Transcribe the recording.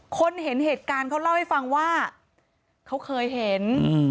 คนเห็นเหตุการณ์เขาเล่าให้ฟังว่าเขาเคยเห็นอืม